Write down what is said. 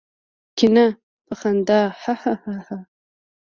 کېنه! په خندا هههه.